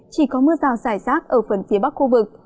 chỉ có mưa rào dài rác ở phần phía bắc khu vực